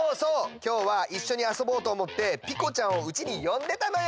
きょうはいっしょにあそぼうとおもってピコちゃんをうちによんでたのよ！